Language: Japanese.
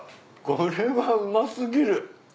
これはうま過ぎる。